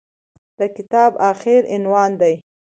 د کتاب اخري عنوان دى.